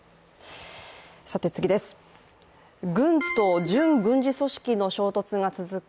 軍と準軍事組織の衝突が続く